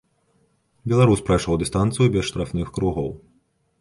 Беларус прайшоў дыстанцыю без штрафных кругоў.